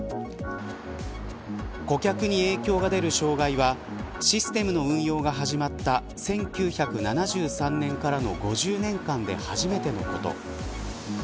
顧客に影響が出る障害はシステムの運用が始まった１９７３年からの５０年間で初めてのこと。